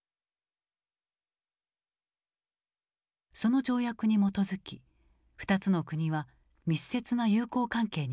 その条約に基づき２つの国は密接な友好関係にあった。